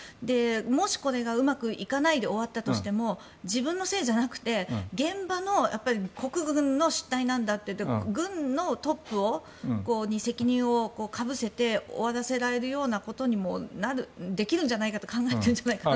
もし、これがうまくいかないで終わったとしても自分のせいじゃなくて現場の国軍の失態なんだと軍のトップに責任をかぶせて終わらせられるようなことにもできるんじゃないかと考えてるんじゃないかと。